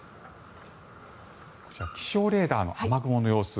こちら気象レーダーの雨雲の様子。